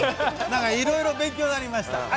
なんかいろいろ勉強になりました。